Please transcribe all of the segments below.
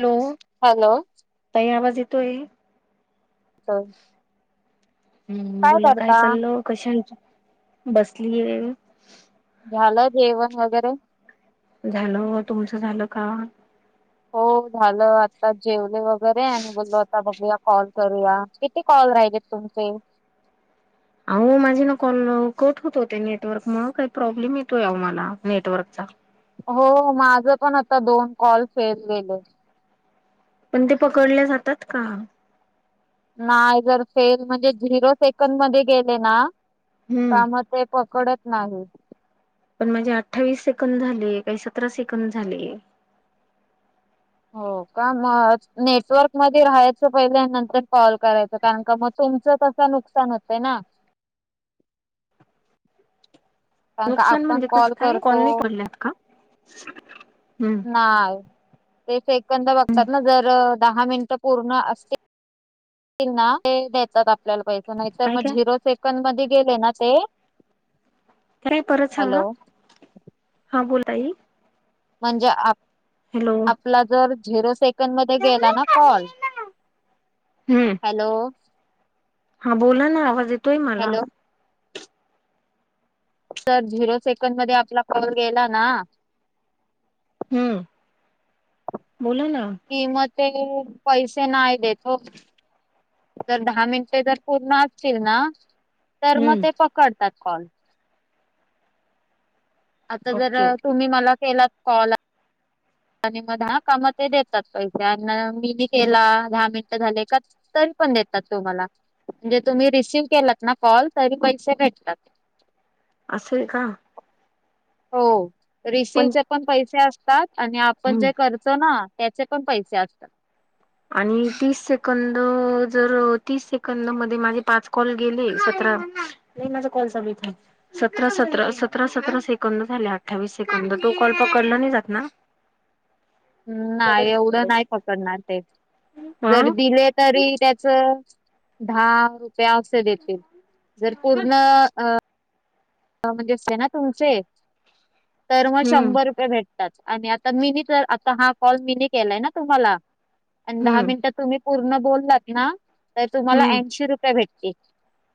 Hello. Hello. ताई आवाज येतोय? [unintelligible] हम्म काय बोला करता चाललो कश्यांचा बसलीये? झालं जेवण वगैरे? झालं हो तुमचं झालं का? हो झालं आता जेवले वगैरे आणि बोललो आता बघू या कॉल करूया किती कॉल राहिले तुमचे? अहो माझी ना कॉल कट होतोय ते नेटवर्क मुळं काही प्रॉब्लेम येतोय अहो मला नेटवर्कचा. हो माझा पण आता दोन कॉल फेल गेले. पण ते पकडल्या जातात का? नाही जर फेल म्हणजे झिरो सेकड मध्ये गेले ना हम्म का म ते पकडत नाहीत. पणं म्हणजे अठ्ठावीस सेकंद झाले कांहीं सतरा सेकंद झाले. हो कां मंग नेटवर्क मध्यें राहायचं पहिले नंतर कॉल करायचं कारणं कां मंग.. तुमचं तसं नुकसान होतं नां. कां नुकसान आपणं म्हणजे कसं कॉल काय करतो. नाही पडल्यात का हम्म हां तेें सेकंद बघतांत नां जरं दहा मिनटं पूर्ण असतील.. ति नां ते हीन देतात पहीले. नाहींतरं काय मंग काय झिरो सेकंड मध्यें गेले नां ते.. कां परंत हॅलो सांगा हां बोलांई. म्हणजे आप हॅलो! आपलां जरं झेरो सेकंड मध्यें.. गेलां नां कॉल हॅलो! हां बोलां नां आवांज येतोय मलां. हॅलो तरं झिरो सेकंद मध्यें आपलां कॉल गेलां नां.. हम्मं बोलां नां. किंमते मध्यें पैसे नाहीं देतो. तरं दहा मिनिटे जरं पूर्ण असतील नां.. तरं मंग ते हम्म पकडतांत कॉल. आंता ओके जरां ओके तुम्हीं मलां केलांत कॉल.. आणि मंग हां कामं ते देतांत पैसे आणि मीनी केलां दहा मिनिटं झाले कां? तरी पणं देतांत तुम्हांला म्हणजे तुंम्ही रिसिव्ह केलांत नां कॉल तरी पैसे भेटतांत. असं आहे कां? हो पण रिसिवचे पणं पैसे असतांत आणि आपणं हम्म जे करं.. करतो नां त्यांचे पणं पैसे असतांत. आणि तीस सेकंद जरं तीस सेकंद मध्यें माझे पांच कॉल गेले सतरा.. नाहीं माझं कॉलचालूं इथे. सतरा सतरा सतरा सतरा सेकंद झाले अठ्ठावीस सेकंद तो कॉल पकडलां नाहीं जातं नां. नाहीं नाहीं एवढं नाहीं पकडणांर ते हा दिले.. दिले तरी त्याचं दहा रुपया असं.. ते दे तीलं जरं पूर्ण अं म्हणजे असते नां तुमचे तरं मंग हम्म शंभर रुपये भेटतांत. आणि आंता मीनी तरं आंता हां कॉल मीने केलांय नां तुम्हांला आणि दहा हम्म मिनिटांत तुंम्ही.. पूर्ण बोलंलातं नां तरं तुम्हांला हम्म ऐंशी रुपये भेटतील.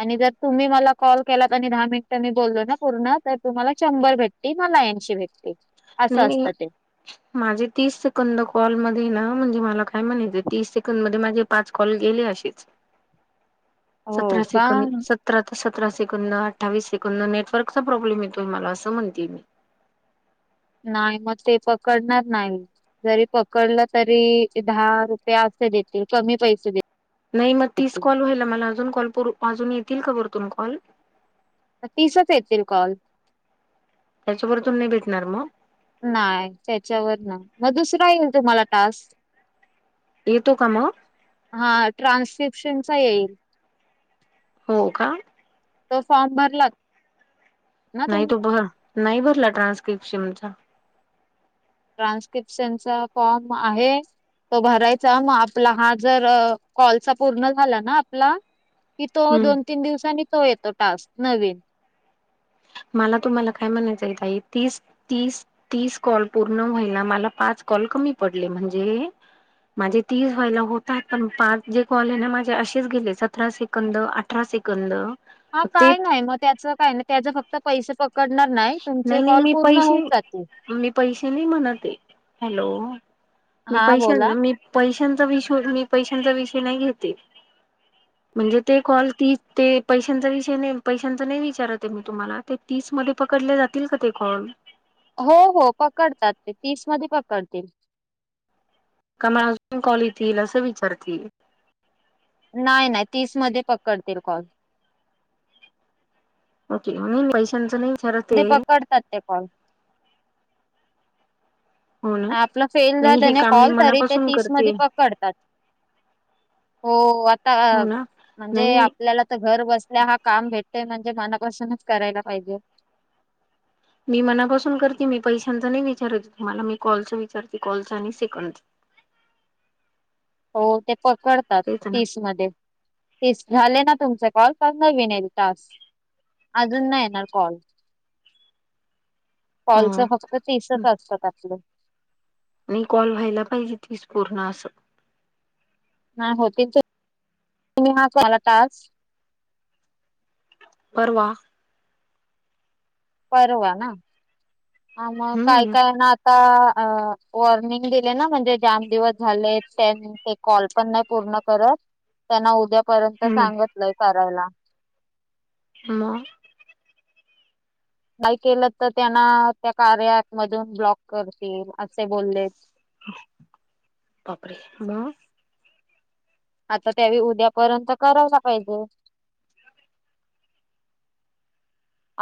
आणि जरं तुंम्ही मलां कॉल केलां आणि दहा मिनटं.. मी बोलंलो नां पूर्ण तरं तुम्हांला शंभर भेटतील मलां ऐंशी भेटतील नाहीं ह [unintelligible] माझे तीस सेकंद कॉलमध्यें नां म्हणजे मलां कायं म्हणायचं तीस सेकंद मध्यें माझे पांच कॉल गेलेचं अशेचं [unintelligible] [unintelligible] सतरा का? सिकांनि स सतरा ते सतरा सेकंदड अठ्ठावीस सेकंड नेटवर्कचा प्रॉब्लेम येतो मलां असं म्हणते नाहीं मंग ते पकडणांर नाहीं जरी पकडलं तरी दहा रुपये असे देतीलं कमी पैसे देतीलं नाहीं मंग तीस कॉल व्हांयला मलां अजूंन कॉल अजूंन येतीलं कां वरतूंन कॉल तीसच येतील कॉल, त्याच्याबरोब तुम नाही भेटणार मग, नाही, त्याच्यावर ना मग दुसरा येईल तुम्हाला टास्क. येतो का मग? हा, हो का? तो, फॉर्म भरला नाही. तो भर नाही भरला ट्रान्स्क्रिपशमचा ट्रान्स्क्रिप्शनचा फॉर्म आहे? तो भरायचा मग आपला हा जर कॉलचा पूर्ण झाला ना आपला, कि तो हम्म दोन- तीन दिवसांनी तो येतो टास्क नवीन, मला तुम्हाला काय म्हणायचं येत आहे तीस. तीस तीस कॉल पूर्ण व्हायला मला,? पाच कॉल कमी पडले म्हणजे माझे तीस व्हायला होतात पण पाच जे कॉले ना माझे असेच गेले सतराे, सतरा सेकंद अठरा सेकंद, हा ते काय नाही मग त्याचं काय नाही त्याच फक्त पैसे प, करणार नाही. तुमचे नाही कॉल मी पूर्ण होऊन पैसे जातील? मी पैसे नाही म्हणत हे.. हॅलो मी हा पैसे बोला मी पैशांचा मी पैशांचा नाही घेते [unintelligible] म्हणजे ते कॉल ती ते पैशांचा विषय नाही, पैशांच नाही विचारत आहे मी तुम्हाला ते तीस म पकडल्या जातील का ते कॉल, हो हो पकडतात ते तीस मध्ये पकडतील. का म अजून कॉल येतील असं विचारतील? नाही नाही तीस मध्ये पकडतील कॉल, ओके,, म पैशांचं नाही. विचारत आहे पकडतात ते कॉल. हो ना आपलं फेल नाही झालं हे काम मी नाही. ते मनापासून तीस करते मध्ये पकडतात? हो! ! आता हो ना म्हणजे, नाही आपल्याला घर बसल्या हा काम भेटतय म्हणजे मनापासूनच करायला पाहिजे? मी मनापासून करते, मी पैशांच नाही विचारयेतो तुम्हाला मी कॉलच विचारते कॉलच आणि सेकंड. हो ते पकडतात तेच ना तीस मध्ये, ते झाले ना तुमचे कॉल कर न विनेल तास, अजून नाही येणार कॉल, कॉलच ह फक्त तीसच असतात आपलं. नाही, कॉल व्हायला पाहिजे तीस पूर्ण असं, नाही होतील? तुम्ही हा तुम्हाला तास, परवा. परवा ना, मग काय हम्म काय ना. आता वॉर्निंग दिले ना म्हणजे जाम दिवस झाले त्यांनी. ते कॉल पण नाही पूर्ण करत त्यांना उद्यापर्यंत हम्म सांगतलंय करायला. मग? नाही केलं तर त्यांना त्या कार्यअँप मधून ब्लॉक करतील? असे बोललेत. बापरे! आता त्यावे उद्यापर्यंत करावला पाहिजे.?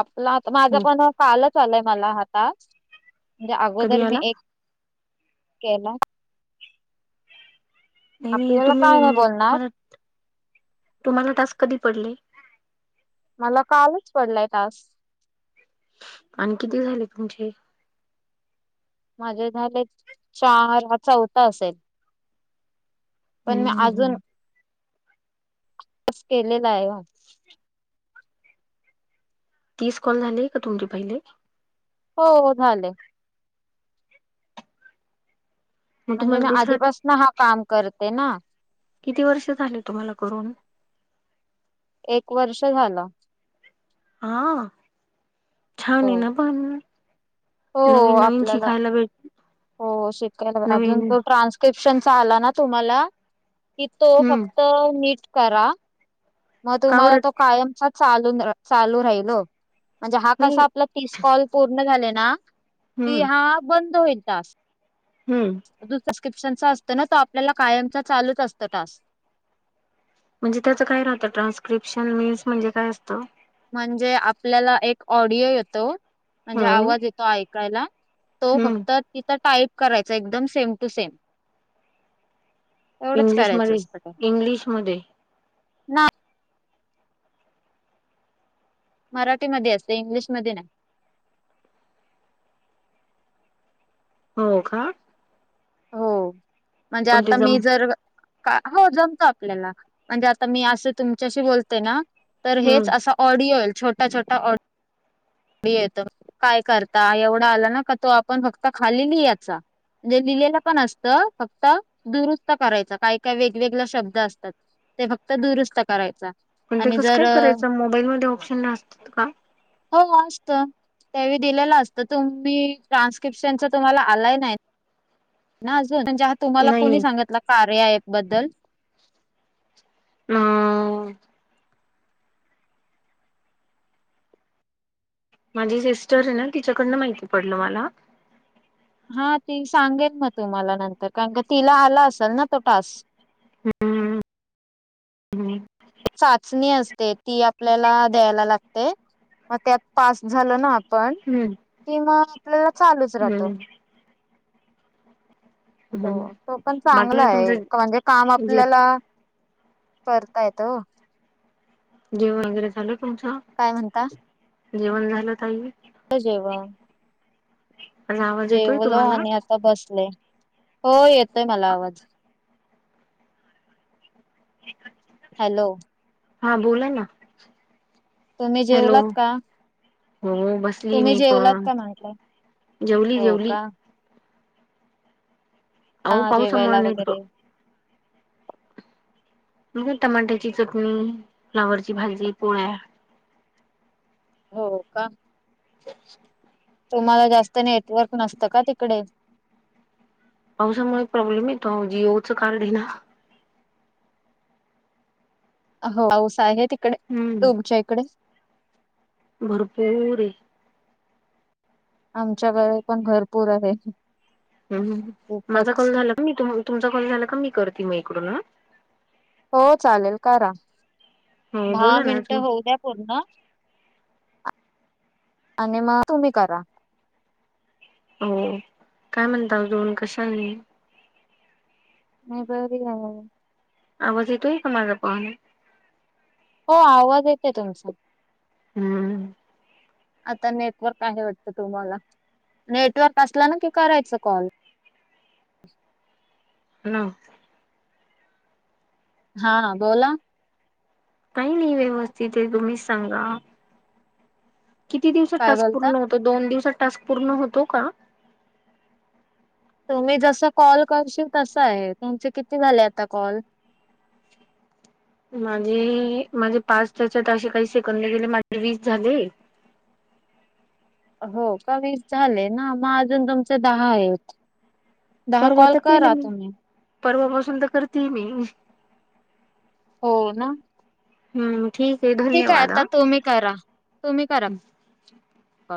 आपलं आप माझं हो. पण कालच आलय मला हातात म्हणजे कधी अगोदर मी आला एक. केलाय नाही नाही आपल्याला तुम्ही काय नाही म्हणजे बोलणार. तुम्हाला तुम्हाला टास्क कधी पडले? मला कालच पडलायं टास्क. आणि किती झालेत तुमचे? माझे झालेत चार हा चौथा असेल. पण मी हम्म अजून हम्म. केलेलं आहे. तीस कॉल झाले का तुमचे पहिले? हो झाले. मग म्हणजे तुम्हाला मी दुसरा आधीपासनं हा काम करते ना. किती वर्ष झाले तुम्हाला करून? एक वर्ष झालं. हा छान हो हे ना पण. हो नवीन नवीन आपल्याला शिकायला भेट हो शिकायला अजून नवीन तो ट्रान्स? क्रिप्शनचा आला ना तुम्हाला कि तो हम्म फक्त नीट करा. मग का तुम्हाला बरं तो कायमचा चाल चालू राहिल हो म्हणजे हा नाही कसा. आपल तीस कॉल पूर्ण झाले ना कि हम्म हा बंद होईल टास्क. हम्म. अजून प्रस्क्रिप्शन च असतं ना तर आपल्याला कायमचा चालूच असतं टास्क. म्हणजे त्याचं काय राहतं ट्रान्स्क्रिप्शन मिन्स म्हणजे काय असतं? म्हणजे आपल्याला एक ऑडिओ येतो म्हणजे हम्म आवाज येतो ऐकायला. तो हम्म फक्त तिथं टाईप करायचा एकदम सेम टू सेम. एवढंच करायचं इंग्लिशमध्ये इंग्लिशमध्ये नाय. मराठीमध्ये असते इंग्लिशमध्ये नाही. हो, का? हो म्हणजे पण ते आता जम मी जर. हो जमत आपल्याला म्हणजे आता मी असं तुमच्याशी बोलते ना तर हेच हम्म असं. ऑडिओ येइल छोटा छोटा ऑडिओ. येत काय करता एवढा आला ना का तो आपण फक्त खाली लिहायचा. म्हणजे लिहिलेलं पण असतं फक्त दुरुस्त करायचं काय काय वेगवेगळे शब्द असतात. ते फक्त दुरुस्त करायचं. पण ते कसं काय करायचं मोबाईल मध्ये ऑप्शन नं हो असतं. त्यांनी दिलेलं असतं तुम्ही ट्रान्स्क्रिप्शनच तुम्हाला आलाय नाय. ना अजूनण जे तुम्हाला कोणी नाही. सांगितला कार्या अँप बद्दल? [inaudible] माझी सिस्टर आहे ना तिच्याकडनं माहिती पडलं मला. हा ती सांगेन मग तुम्हाला नंतर कारण का तिला आला असेल ना तो टास्क. [inaudible] चाचणी असते ती आपल्याला द्यायला लागते. मग त्यात पास झालं ना आपण. हम्म कि म आपल्याला चालूच राहतो. हम्म हो तो पण बाकी चांगला काय आहे तुमचं म्हणजे काम जे आपल्याला करता येत. जेवण वगैरे झाल तुमच? काय म्हणता? जेवण झालं ताई? आता जेवण. माझा आवाज येतोय जेवलो तुम्हाला? आणि आता बसले. हो येतोय मला आवाज. ह [unintelligible] हॅलो. हा बोला ना. तुम्ही हॅलो जेवलात का? हो बसली तुम्ही मी जेवलात पण का म्हणलं? जेवली हो जेवली. का? आऊ हा, पावू जेवायला [unintelligible] वगैरे [unintelligible] टमाट्याची चटणी, फ्लावरची भाजी, पोळ्या. हो का? [inaudible] तुम्हाला जास्त नेटवर्क नसतं का तिकडे? पावसामुळे प्रॉब्लेम येतो, जीओचं कार्ड ये ना. हा हो पाऊस आहे. तिकडे हम्म तुमच्या इकडे? भरपूर ये. आमच्याकडे पण भरपूर आहे. हू हू. माझा खूपच कॉल झाला का मी तुम्हा? तुमचा कॉल झाला का मी करते मग इकडून ह. हो चालेल करा. हो दहा बोला ना मिनिट तू होऊ द्या पूर्ण. आणि मग तुम्ही करा. हो काय म्हणता तुम्ही कशा आहेत? मी बरी आहे. आवाज येतोय का माझा पाह ना? हो आवाज येते तुमचा. हम्म! आता नेटवर्क आहे वाटत तुम्हाला. नेटवर्क असला ना की, करायच कॉल. हू. हा बोला. काही नाही व्यवस्थित ये. तुम्हीच सांगा. किती दिवसात काय टास्क बोलता पूर्ण होतो? दोन दिवसात टास्क पूर्ण होतो का? तुम्ही जस कॉल करशील तस आहे. तुमचे किती झाले आता कॉल? माझे माझे पाच त्याच्यात असे काही सेकंद गेले, माझे वीस झाले. हो का वीस झाले ना, मग अजून तुमचे दहा आहेत. दहा परवा कॉल तर केले करा मी तुम्ही. परवापासून तर करते मी. हो ना. हुं. ठीक हाय आता तुम्ही करा. तुम्ही करा. का